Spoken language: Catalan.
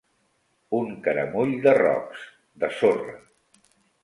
Un caramull de rocs, de sorra.